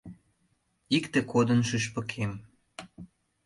Икте кодын шÿшпыкем: